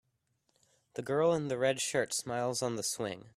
The girl in the red shirt smiles on the swing.